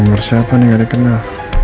nomor siapa nih gak dikenal